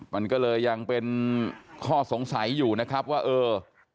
มันก็เลยยังเป็นข้อสงสัยอยู่นะครับว่าเออ